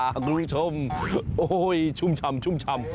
อ่าคุณผู้ชมโอ้โฮชุ่มชำ